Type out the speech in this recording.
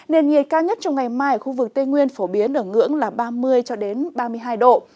nền nhiệt cao nhất trong ngày mai ở khu vực tây nguyên phổ biến ở ngưỡng là ba mươi cho đến ba mươi hai độ